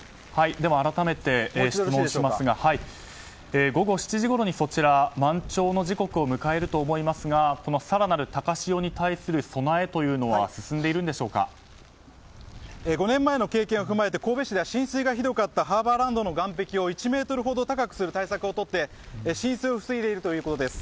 改めて質問しますが午後７時ごろに満潮の時刻を迎えると思いますがこの更なる高潮に対する備えというのは５年前の経験を踏まえて神戸市では浸水がひどかったハーバーランドの岸壁を１ｍほど高くする対策をとって、浸水を防いでいるということです。